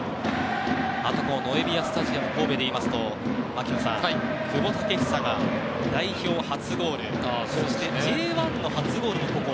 またノエビアスタジアム神戸でいうと久保建英が代表初ゴールそして、Ｊ１の初ゴールもここ。